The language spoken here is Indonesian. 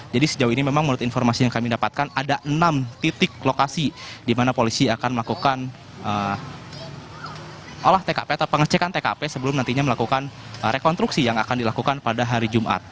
jadi sejauh ini memang menurut informasi yang kami dapatkan ada enam titik lokasi di mana polisi akan melakukan pengcekan tkp sebelum nantinya melakukan rekonstruksi yang akan dilakukan pada hari jumat